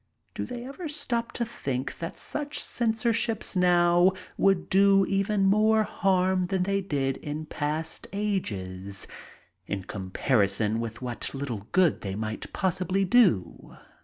Do they ever stop to think thai such censorships now would do even more harm than th^ did in past ages, in comparison widi what little good they might possibly do?